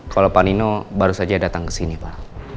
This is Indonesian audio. kalau pak nino baru saja datang kesini pak